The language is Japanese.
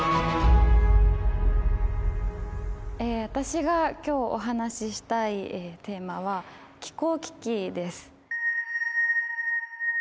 私が今日お話ししたいテーマは気候危機です